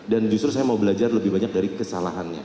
dan justru saya mau belajar lebih banyak dari kesalahannya